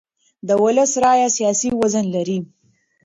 د ولس رایه سیاسي وزن لري